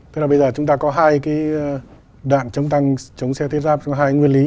tức là bây giờ chúng ta có hai cái đạn chống tăng chống xe thiết giáp có hai nguyên lý